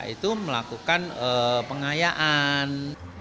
itu melakukan pengayaan